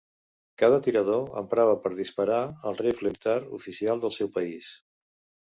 Cada tirador emprava per disparar el rifle militar oficial del seu país.